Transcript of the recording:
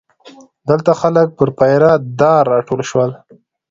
دلته خلک پر پیره دار راټول شول.